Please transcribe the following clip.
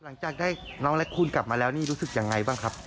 หลังจากได้น้องและคุณกลับมาแล้วนี่รู้สึกยังไงบ้างครับ